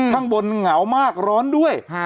ข้างบนเหงามากร้อนด้วย